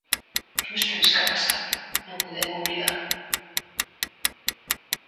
Per més temps que ha passat, no poden oblidar-ho.